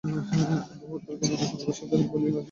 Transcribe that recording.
কুমুদকে মনে মনে অভিশাপ দিয়া শশী বলে, আসবে পরাণ, পত্র আসবে।